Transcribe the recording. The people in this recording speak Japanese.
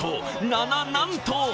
な、な、なんと！